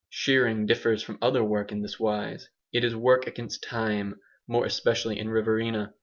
Shearing differs from other work in this wise: it is work against time, more especially in Riverina.